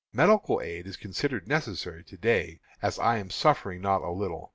Medical aid is considered necessary to day, as I am suffering not a little.